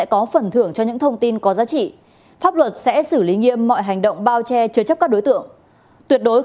cảm ơn các bạn đã theo dõi